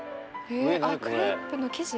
えっあっクレープの生地？